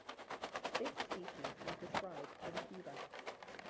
This species was described from Cuba.